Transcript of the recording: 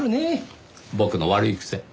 僕の悪い癖。